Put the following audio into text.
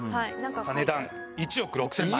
さあ値段１億６０００万円。